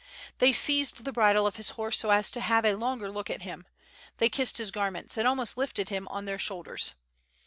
They seized the bridle of his horse so as to have a longer look at him, they kissed his garments, and almost lifted him on their shoulders.